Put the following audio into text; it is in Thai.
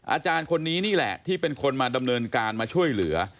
อาจารย์คนนี้นี่แหละที่เป็นคนมาดำเนินการมาช่วยเหลือ